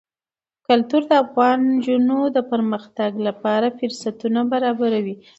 کلتور د افغان نجونو د پرمختګ لپاره فرصتونه برابروي.